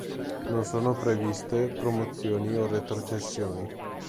Non sono previste promozioni o retrocessioni.